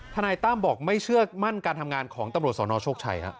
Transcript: นายตั้มบอกไม่เชื่อมั่นการทำงานของตำรวจสนโชคชัย